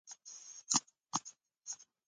غوړې د بدن د مختلفو سیستمونو سره مرسته کوي.